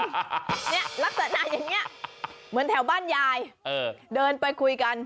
เนี่ยรักษณะแบบนี้เหมือนแถวบ้านยายเดินไปคุยกัน